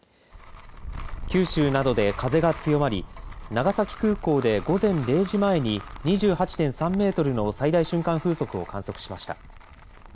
九州などで風が強まり長崎空港で午前０時前に２８．３メートルの最大瞬間風速を観測しました。